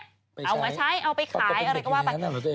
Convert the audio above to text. เอามาใช้เอาไปขายอะไรก็ว่าไป